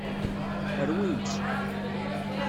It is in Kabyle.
Rwin-tt.